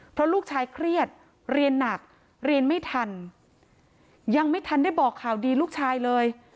เพราะลูกชายเครียดเรียนหนักเรียนไม่ทันยังไม่ทันได้บอกข่าวดีลูกชายเลย